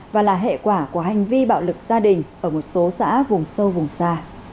và là hệ quả của hành vi bạo lực gia đình ở một số xã vùng sâu vùng xa